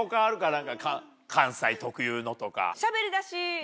何か関西特有のとか。